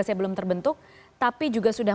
saya belum terbentuk tapi juga sudah